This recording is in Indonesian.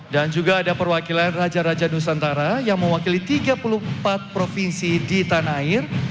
dan juga ada perwakilan raja raja nusantara yang mewakili tiga puluh empat provinsi di tanah air